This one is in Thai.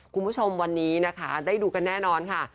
คุณผู้ชมวันนี้นะคะได้ดูกันแน่นอนค่ะ